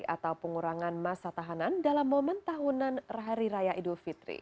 atau pengurangan masa tahanan dalam momen tahunan hari raya idul fitri